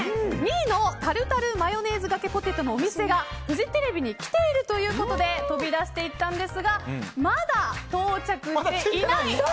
２位のタルタルマヨネーズがけポテトのお店がフジテレビに来ているということで飛び出していったんですがまだ到着していない。